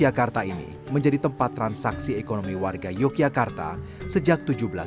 jakarta ini menjadi tempat transaksi ekonomi warga yogyakarta sejak seribu tujuh ratus sembilan puluh